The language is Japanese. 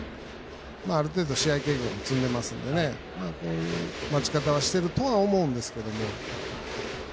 ある程度、試合経験積んでますのでそういう待ち方をしてるとは思うんですけど。